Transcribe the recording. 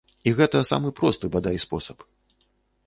І гэта самы просты, бадай, спосаб.